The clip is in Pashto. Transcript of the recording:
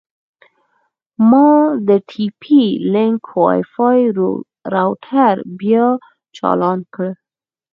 ما د ټي پي لینک وای فای روټر بیا چالان کړ.